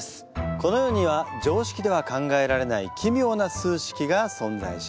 この世には常識では考えられないきみょうな数式が存在します。